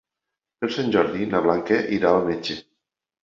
Per Sant Jordi na Blanca irà al metge.